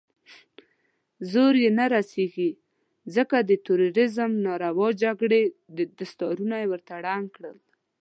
زور يې نه رسېږي، ځکه د تروريزم ناروا جګړې دستارونه ورته ړنګ کړل.